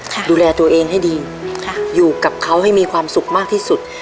ดูแลตัวเองให้ดีค่ะอยู่กับเขาให้มีความสุขมากที่สุด